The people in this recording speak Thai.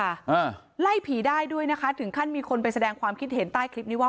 อ่าไล่ผีได้ด้วยนะคะถึงขั้นมีคนไปแสดงความคิดเห็นใต้คลิปนี้ว่า